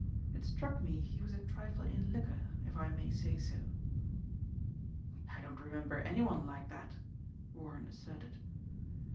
It struck me he was a trifle in liquor if I may say so." "I don't remember any one like that," Warren asserted.